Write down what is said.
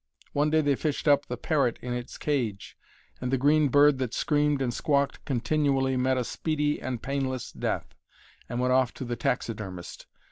One day they fished up the parrot in its cage, and the green bird that screamed and squawked continually met a speedy and painless death and went off to the taxidermist.